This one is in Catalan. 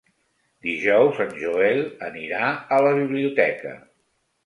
Dijous en Joel anirà a la biblioteca.